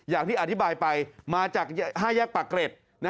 อย่างที่อธิบายไปมาจาก๕แยกปากเกร็ด